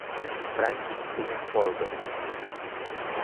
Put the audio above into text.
Ranking según Forebears.io.